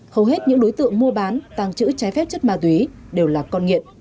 hầu hết những đối tượng mua bán tăng chữ trái phép chất ma túy đều là con nghiện